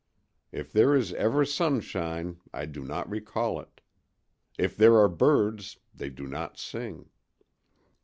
If there is ever sunshine I do not recall it; if there are birds they do not sing.